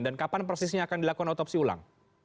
dan kapan persisnya akan dilakukan otopsi ulang